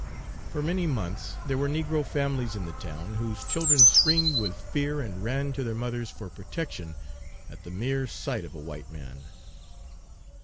For many months there were negro families in the town whose children screamed with fear and ran to their mothers for protection at the mere sight of a white man.